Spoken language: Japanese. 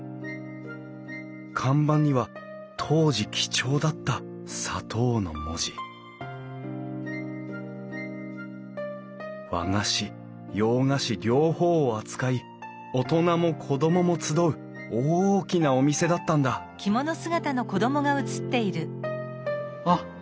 看板には当時貴重だった砂糖の文字和菓子洋菓子両方を扱い大人も子供も集う大きなお店だったんだあっ